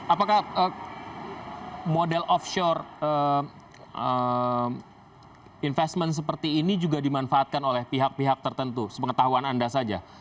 apakah model offshore investment seperti ini juga dimanfaatkan oleh pihak pihak tertentu sepengetahuan anda saja